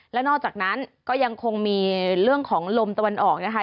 และนอกจากนั้นก็ยังคงมีเรื่องของลมตะวันออกนะคะ